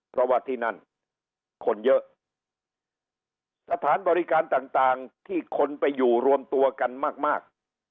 เพราะว่าที่นั่นคนเยอะสถานบริการต่างต่างที่คนไปอยู่รวมตัวกันมากมาก